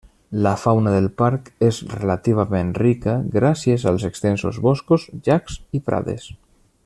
La fauna del parc és relativament rica, gràcies als extensos boscos, llacs i prades.